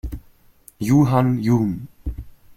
Juhan jun.